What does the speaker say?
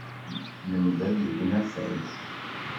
Nemlal deg unafag.